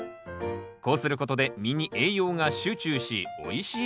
こうすることで実に栄養が集中しおいしい